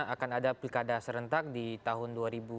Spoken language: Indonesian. akan ada pilkada serentak di tahun